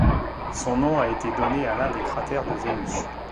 Son nom a été donné à l'un des cratères de Vénus.